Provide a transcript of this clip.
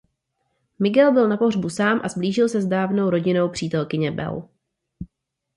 Miguel byl na pohřbu sám a sblížil se s dávnou rodinnou přítelkyní Belle.